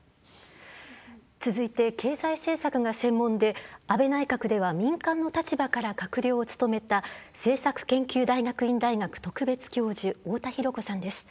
続いて経済政策が専門で安倍内閣では民間の立場から閣僚を務めた政策研究大学院大学特別教授大田弘子さんです。